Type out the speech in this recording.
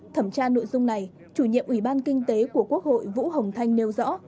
thẩm tra nội dung này chủ nhiệm ủy ban kinh tế của quốc hội vũ hồng thanh nêu rõ